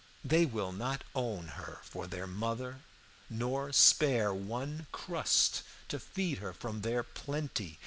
They will not own her for their mother, nor spare one crust to feed her from their plenty.